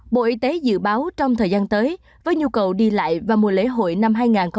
bộ y tế dự báo trong thời gian tới với nhu cầu đi lại và mùa lễ hội năm hai nghìn hai mươi